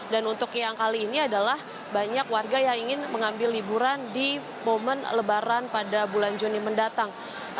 dan untuk yang kali ini adalah banyak warga yang ingin mengambil liburan di momen lebaran pada bulan juni mendatang